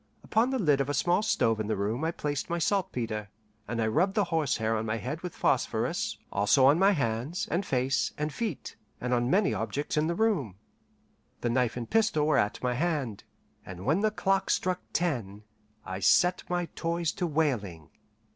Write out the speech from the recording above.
Upon the lid of a small stove in the room I placed my saltpetre, and I rubbed the horsehair on my head with phosphorus, also on my hands, and face, and feet, and on many objects in the room. The knife and pistol were at my hand, and when the clock struck ten, I set my toys to wailing.